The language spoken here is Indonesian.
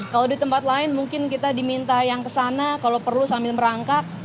kalau di tempat lain mungkin kita diminta yang kesana kalau perlu sambil merangkak